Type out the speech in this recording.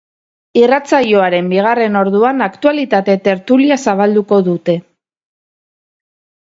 Irratsaioaren bigarren orduan aktualitate tertulia zabalduko dute.